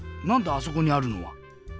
あそこにあるのは。